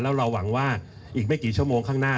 แล้วเราหวังว่าอีกไม่กี่ชั่วโมงข้างหน้า